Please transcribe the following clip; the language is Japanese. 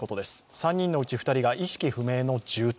３人のうち２人が意識不明の重体。